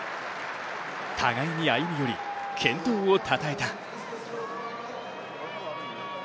互いに歩み寄り、健闘をたたえた。